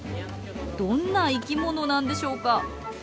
どんな生き物なんでしょうか？